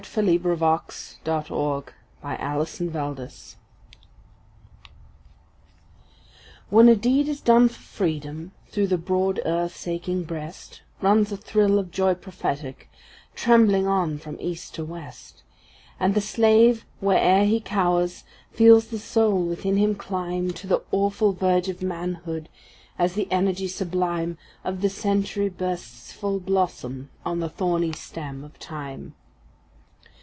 The Present Crisis WHEN a deed is done for Freedom, through the broad earth’s aching breast Runs a thrill of joy prophetic, trembling on from east to west, And the slave, where’er he cowers, feels the soul within him climb To the awful verge of manhood, as the energy sublime Of a century bursts full blossomed on the thorny stem of Time.